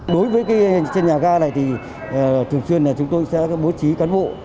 đối với nhà ga này thì thường xuyên chúng tôi sẽ bố trí cán bộ